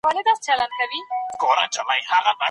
ولي محنتي ځوان د مستحق سړي په پرتله برخلیک بدلوي؟